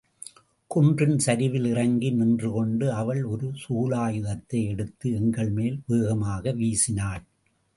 குன்றின் சரிவில் இறங்கி நின்று கொண்டு அவள் ஒரு சூலாயுதத்தை எடுத்து எங்கள் மேல் வேகமாக வீசினாள்.